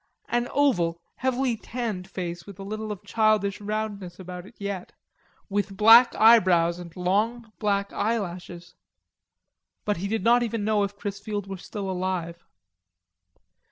An oval, heavily tanned face with a little of childish roundness about it yet, with black eyebrows and long black eyelashes. But he did not even know if Chrisfield were still alive.